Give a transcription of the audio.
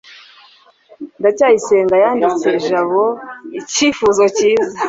ndacyayisenga yanditse jabo icyifuzo cyiza